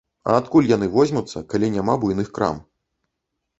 А адкуль яны возьмуцца, калі няма буйных крам?